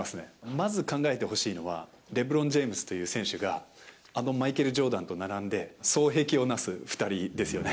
まず考えてほしいのは、レブロン・ジェームズっていう選手が、あのマイケル・ジョーダンと並んで、双璧をなす２人ですよね。